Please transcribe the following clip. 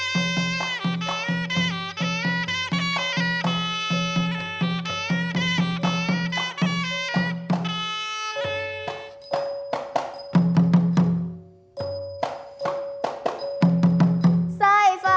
ธรรมดา